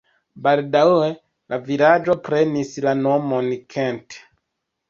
Baldaŭe la vilaĝo prenis la nomon Kent.